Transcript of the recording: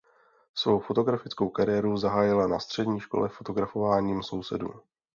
Svou fotografickou kariéru zahájila na střední škole fotografováním sousedů.